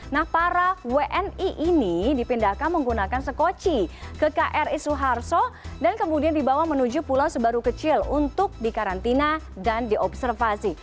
nah para wni ini dipindahkan menggunakan sekoci ke kri suharto dan kemudian dibawa menuju pulau sebaru kecil untuk dikarantina dan diobservasi